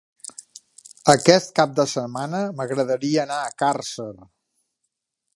Aquest cap de setmana m'agradaria anar a Càrcer.